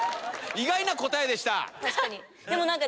意外な答えでした。